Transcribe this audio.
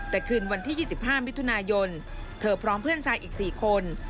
แต่คืนวันที่๒๕มิถุนายนเธอพร้อมเพื่อนชายอีก๔คน